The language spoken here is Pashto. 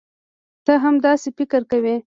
تۀ هم داسې فکر کوې؟